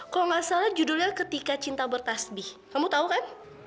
kalau gak salah judulnya ketika cinta bertazbih kamu tau kan